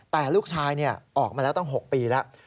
แต่ลูกชายออกมาแล้วตั้ง๖ปีแล้ว